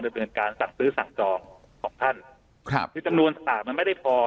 เป็นการสั่งซื้อสั่งจองของท่านครับคือจำนวนต่างมันไม่ได้พอ